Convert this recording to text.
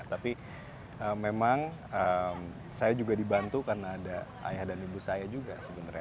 tapi memang saya juga dibantu karena ada ayah dan ibu saya juga sebenarnya